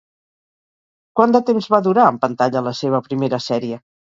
Quant de temps va durar en pantalla la seva primera sèrie?